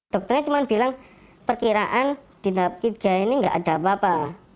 dokternya cuma bilang perkiraan di tahap tiga ini nggak ada apa apa